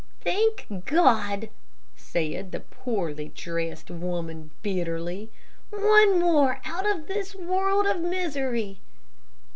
"Thank God!" said the poorly dressed woman, bitterly; "one more out of this world of misery."